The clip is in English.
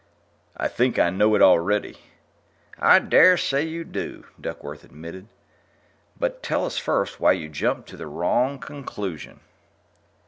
"I think I know it already." "I dare say you do," Duckworth admitted. "But tell us first why you jumped to the wrong conclusion."